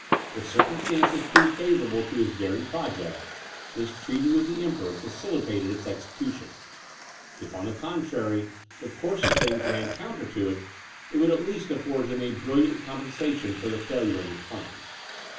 If circumstances proved favourable to his daring project, this treaty with the Emperor facilitated its execution; if on the contrary, the course of things ran counter to it, it would at least afford him a brilliant compensation for the failure of his plans.